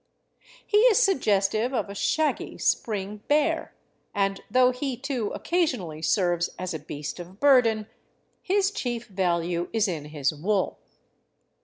He is suggestive of a shaggy, spring bear, and though he, too, occasionally servea as a beast Oif burden, his chief value is in his wool.